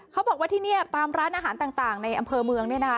เขาบอกว่าที่นี่ตามร้านอาหารต่างในอำเภอเมือง